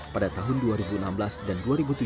pada tahun dua ribu enam belas dan dua ribu tiga belas